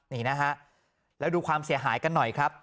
นี่นะฮะแล้วดูความเสียหายกันหน่อยครับ